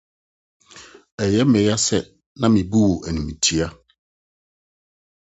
Ɛyɛ me yaw sɛ na mibu wo animtiaa.